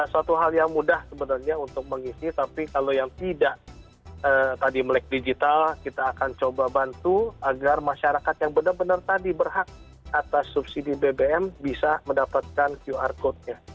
suatu hal yang mudah sebenarnya untuk mengisi tapi kalau yang tidak tadi melek digital kita akan coba bantu agar masyarakat yang benar benar tadi berhak atas subsidi bbm bisa mendapatkan qr code nya